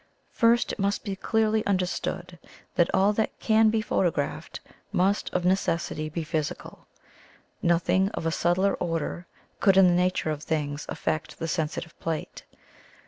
"First, it must be clearly understood that all that can be photographed must of neces sity be physical. Nothing of a subtler order could in the nature of things affect the sen sitive plate.